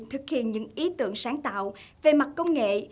thực hiện những ý tưởng sáng tạo về mặt công nghệ